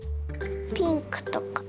ピンクとか。